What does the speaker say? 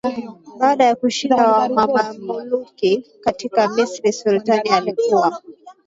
Baada ya kushinda Wamamaluki katika Misri sultani alikuwa